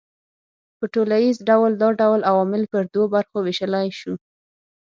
په ټوليز ډول دا ډول عوامل پر دوو برخو وېشلای سو